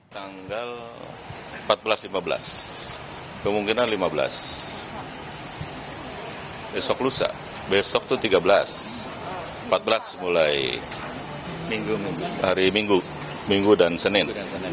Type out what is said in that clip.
tanggal empat belas lima belas kemungkinan lima belas besok lusa besok itu tiga belas empat belas mulai hari minggu minggu dan senin